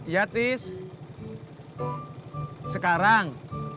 ya tis sekarang